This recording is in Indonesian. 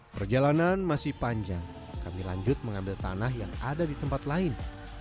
perjalanan masih panjang kami lanjut mengambil tanah yang ada di tempat lain